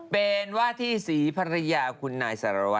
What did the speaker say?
เป็นหวัดแน่เลยเหนี๊ยะ